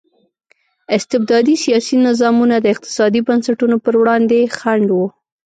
استبدادي سیاسي نظامونه د اقتصادي بنسټونو پر وړاندې خنډ وو.